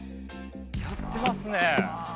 やってますね。